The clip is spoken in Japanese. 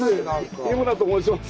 日村と申します。